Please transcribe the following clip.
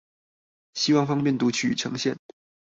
希望方便讀取與呈現